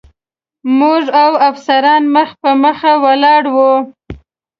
موږ او افسران مخ په مخ ولاړ و.